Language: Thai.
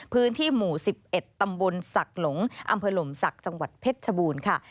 พื้นที่หมู่๑๑ตำบลศักดิ์หลงอำเภอหล่มศักดิ์จังหวัดเพชรชบูรณ์ค่ะ